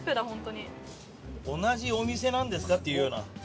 同じお店なんですか？っていうような。